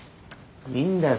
いいんだよ